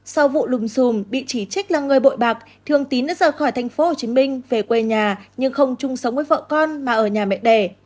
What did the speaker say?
sau vụ lùm xùm bị chỉ trích là người bội bạc thương tín đã rời khỏi thành phố hồ chí minh về quê nhà nhưng không chung sống với vợ con mà ở nhà mẹ đẻ